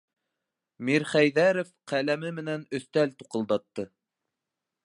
Мирхәйҙәров ҡәләме менән өҫтәл туҡылдатты: